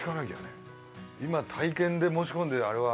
今体験で申し込んでるあれは。